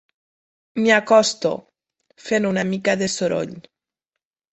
M'hi acosto, fent una mica de soroll.